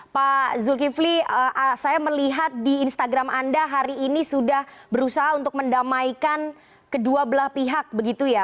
pak zulkifli saya melihat di instagram anda hari ini sudah berusaha untuk mendamaikan kedua belah pihak begitu ya